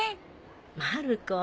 まる子。